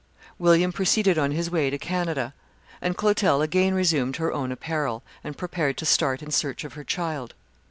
William proceeded on his way to Canada, and Clotel again resumed her own apparel, and prepared to start in search of her child.